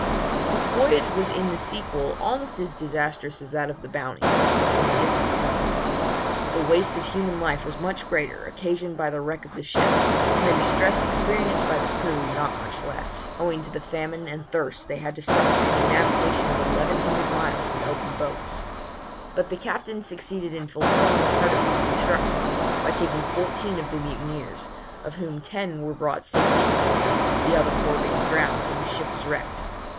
This voyage was in the sequel almost as disastrous as that of the Bounty, but from a different cause. The waste of human life was much greater, occasioned by the wreck of the ship, and the distress experienced by the crew not much less, owing to the famine and thirst they had to suffer in a navigation of eleven hundred miles in open boats; but the Captain succeeded in fulfilling a part of his instructions, by taking fourteen of the mutineers, of whom ten were brought safe to England, the other four being drowned when the ship was wrecked.